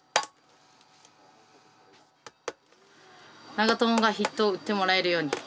永宝がヒットを打ってもらえるように。